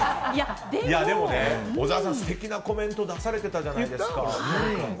でも小沢さん、素敵なコメント出されてたじゃないですか。